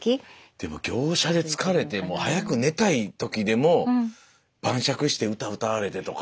でも行商で疲れてもう早く寝たい時でも晩酌して歌を歌われてとか。